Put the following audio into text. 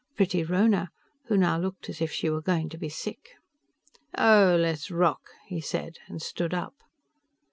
Pretty Rhona, who now looked as if she were going to be sick. "So let's rock," he said and stood up.